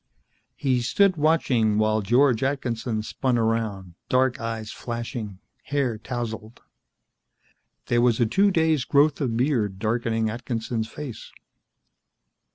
He stood watching while George Atkinson spun around, dark eyes flashing, hair tousled. There was a two days' growth of beard darkening Atkinson's face.